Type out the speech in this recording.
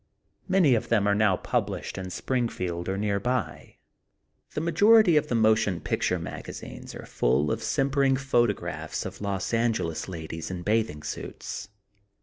Many of them are now published in Springfield or near by. The majority of the motion picture magazines are full of simpering photographs of Los Angeles ladies in bathing suits.